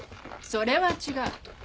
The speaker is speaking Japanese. それは違う。